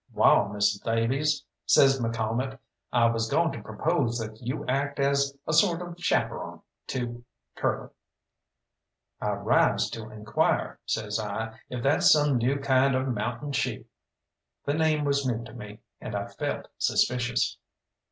"Wall, Mrs. Davies," says McCalmont, "I was goin' to propose that you act as a sort of chaperon to Curly." "I rise to inquire," says I, "if that's some new kind of mountain sheep." The name was new to me, and I felt suspicious.